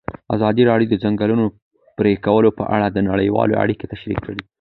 ازادي راډیو د د ځنګلونو پرېکول په اړه نړیوالې اړیکې تشریح کړي.